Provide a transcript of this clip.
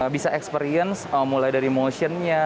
bisa experience mulai dari motionnya